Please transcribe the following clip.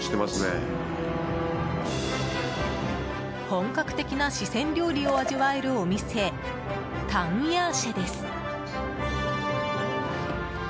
本格的な四川料理を味わえるお店、タンヤーシェです。